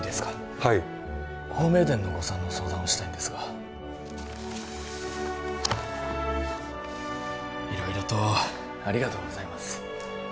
はい豊明殿の午餐の相談なんですが色々とありがとうございます